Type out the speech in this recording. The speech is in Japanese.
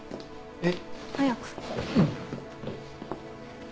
えっ？